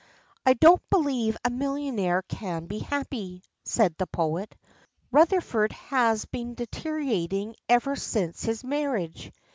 "I don't believe a millionaire can be happy," said the poet. "Rutherford has been deteriorating ever since his marriage.